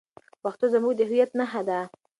پښتو زموږ د هویت نښه ده.